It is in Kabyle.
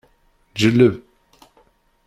Ǧelleb!